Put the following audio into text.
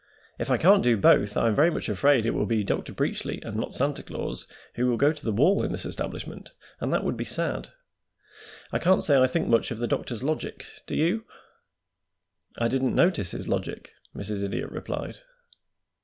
If I can't do both I am very much afraid it will be Dr. Preachly, and not Santa Claus, who will go to the wall in this establishment, and that would be sad. I can't say I think much of the doctor's logic. Do you?" "I didn't notice his logic," Mrs. Idiot replied.